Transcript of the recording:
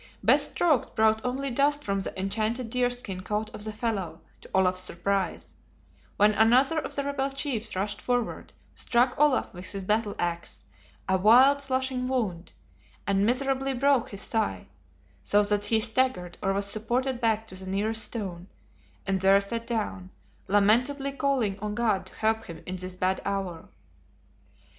Best strokes brought only dust from the (enchanted) deer skin coat of the fellow, to Olaf's surprise, when another of the rebel chiefs rushed forward, struck Olaf with his battle axe, a wild slashing wound, and miserably broke his thigh, so that he staggered or was supported back to the nearest stone; and there sat down, lamentably calling on God to help him in this bad hour.